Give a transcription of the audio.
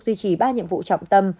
duy trì ba nhiệm vụ trọng tâm